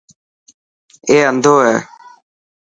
اي انڌو هي.